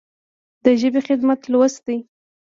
د ژبې خدمت لوست دی.